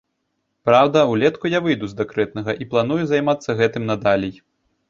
Праўда, улетку я выйду з дэкрэтнага і планую займацца гэтым надалей.